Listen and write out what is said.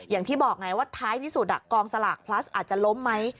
อย่างที่บอกไงว่าท้ายที่สุดกองสลากพลัสอาจจะล้มไหม